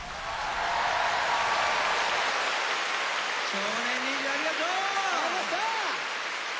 少年忍者ありがとう！